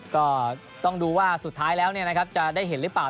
ก็ต้องดูว่าสุดท้ายแล้วจะได้เห็นหรือเปล่า